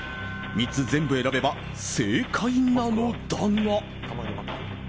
３つ全部選べば正解なのだが。